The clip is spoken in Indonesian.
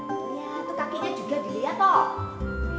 oh iya kakinya juga dilihat toh